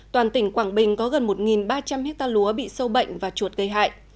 toàn tỉnh quảng bình có gần một ba trăm linh hectare lúa bị sâu bệnh và chuột gây hại